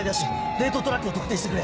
冷凍トラックを特定してくれ。